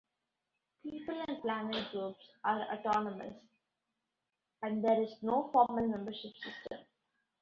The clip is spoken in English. People and Planet groups are autonomous and there is no formal membership system.